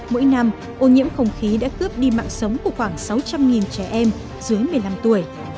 mỗi năm ô nhiễm không khí đã cướp đi mạng sống của khoảng sáu trăm linh trẻ em dưới một mươi năm tuổi